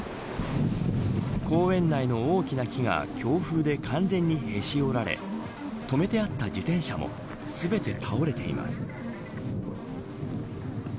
公園内の大きな木が強風で完全にへし折られ止めてあった自転車も全て倒れています。